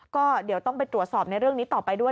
ก็เดี๋ยวต้องไปตรวจสอบในเรื่องนี้ต่อไปด้วย